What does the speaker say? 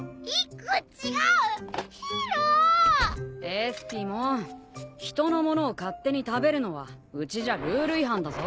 エスピモン人のものを勝手に食べるのはうちじゃルール違反だぞ。